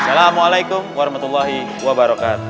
assalamualaikum warahmatullahi wabarakatuh